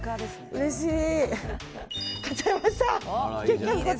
うれしい！